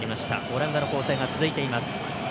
オランダの攻勢が続いています。